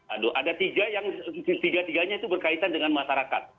aduh ada tiga yang tiga tiganya itu berkaitan dengan masyarakat